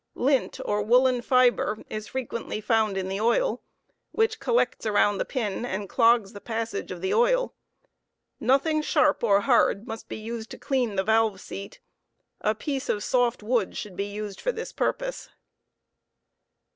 Lint or woolen fiber is fluently found in the oil, which collects around the pin and clogs the passage of 11 the oil; qothing sharp or hard must be used to clean the valve seat; a piece of sdft wood should be used for this purpose.